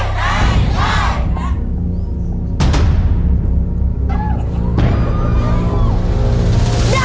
ได้ครับ